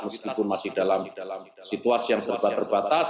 meskipun masih dalam situasi yang serba terbatas